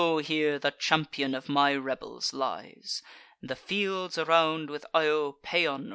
here the champion of my rebels lies!" The fields around with Io Paean!